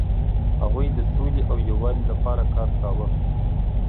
هغوی د سولې او یووالي لپاره کار کاوه.